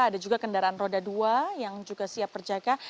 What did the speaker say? ada juga kendaraan roda dua yang juga siap berjaga